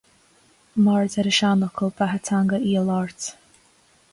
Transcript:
Mar a deir an seanfhocal "Beatha Teanga í a Labhairt".